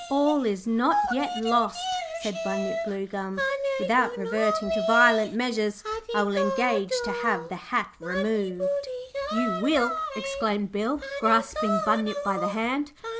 'All is not yet lost,' said Bunyip Bluegum. 'Without reverting to violent measures, I will engage to have the hat removed.' 'You will?' exclaimed Bill, grasping Bunyip by the hand.